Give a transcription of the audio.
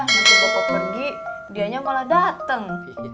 nanti bapak pergi dianya malah datang